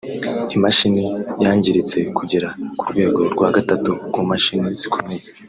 Imashini yangiritse kugera ku rwego rwa gatatu ku mashini zikomeye